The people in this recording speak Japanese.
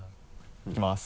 いきます。